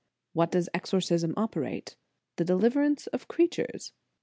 What does exor cism operate? The deliverance of creatures.